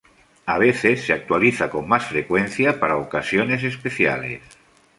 A veces se actualiza con más frecuencia para ocasiones especiales.